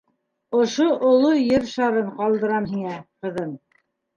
— Ошо оло Ер шарын ҡалдырам һиңә, ҡыҙым.